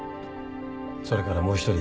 それからもう一人。